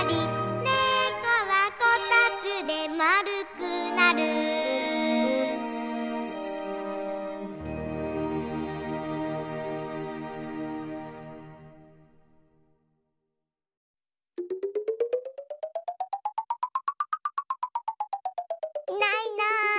「ねこはこたつでまるくなる」いないいない。